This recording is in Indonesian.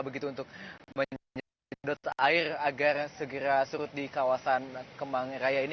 begitu untuk menjaga dot air agar segera surut di kawasan kemangiraya ini